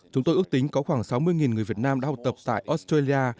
chúng tôi ước tính có khoảng sáu mươi người việt nam đã học tập tại australia